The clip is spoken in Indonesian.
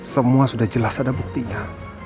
semua sudah jelas ada buktinya